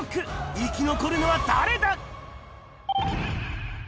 生き残るのは誰だ？